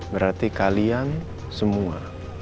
berarti kalian semua